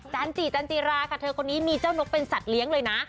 จันจิจันจิราค่ะเธอคนนี้มีเจ้านกเป็นสัตว์เลี้ยงเลยนะ